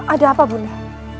ada apa bunda